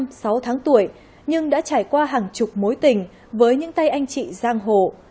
cô gái thủ lĩnh mới một mươi hai năm sáu năm nhưng đã trải qua hàng chục mối tình với những tay anh chị giang hồ